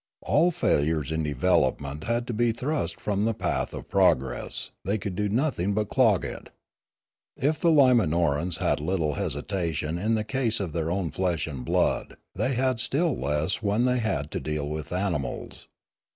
All failures in development had to be thrust from the path of pro gress; they could do nothing but clog it. If the Limanorans had little hesitation in the case of their own flesh and blood, they had still less when they had to deal with animals.